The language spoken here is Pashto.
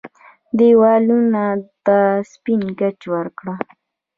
دېوالونو ته يې سپين ګچ ورکړ.